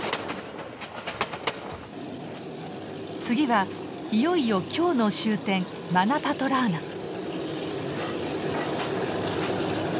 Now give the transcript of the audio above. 次はいよいよ今日の終点マナパトラーナ。